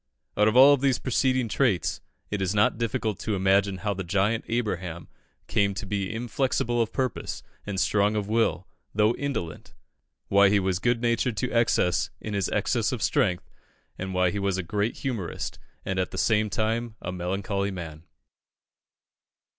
Out of all these preceding traits, it is not difficult to imagine how the giant Abraham came to be inflexible of purpose and strong of will, though indolent why he was good natured to excess in his excess of strength and why he was a great humourist, and at the same time a melancholy man.